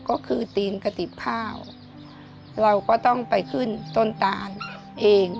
ก็คือตีนกระติบข้าวเราก็ต้องไปขึ้นต้นตานเอง